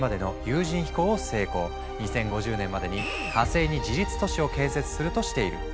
２０５０年までに火星に自立都市を建設するとしている。